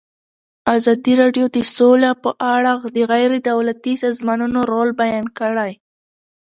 ازادي راډیو د سوله په اړه د غیر دولتي سازمانونو رول بیان کړی.